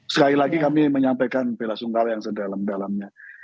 sekali lagi kami menyampaikan bela sungkawa yang sedalam dalamnya